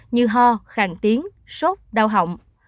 như ho khàng tiếng sốt đau hỏng